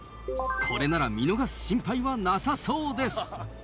これなら見逃す心配はなさそうです。